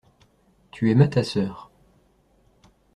Tu aimas ta sœur.